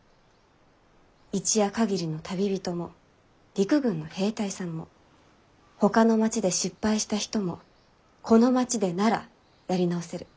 一夜限りの旅人も陸軍の兵隊さんもほかの町で失敗した人もこの町でならやり直せる。